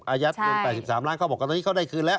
อายัดเงิน๘๓ล้านเขาบอกว่าตอนนี้เขาได้คืนแล้ว